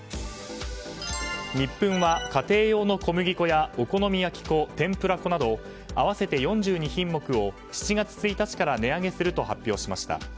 ニップンは家庭用の小麦粉やお好み焼き粉やてんぷら粉合わせて４２品目を７月１日から値上げすると発表しました。